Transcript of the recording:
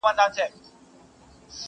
ځيني يې هنر بولي لوړ,